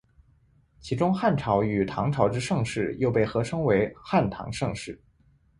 其中汉朝与唐朝之盛世又被合称为汉唐盛世。